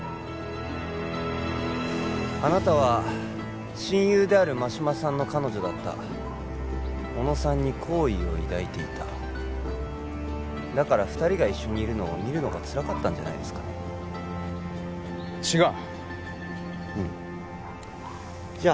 あなたは親友である真島さんの彼女だった小野さんに好意を抱いていただから二人が一緒にいるのを見るのがつらかったんじゃないか違うッうんじゃあ